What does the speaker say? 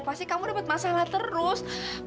pasti kamu dapat masalah terus